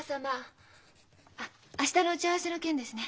あっ明日の打ち合わせの件ですね。